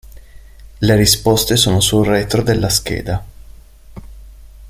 Le risposte sono sul retro della scheda.